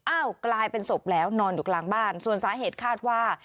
กลายเป็นศพแล้วนอนอยู่กลางบ้านส่วนสาเหตุคาดว่า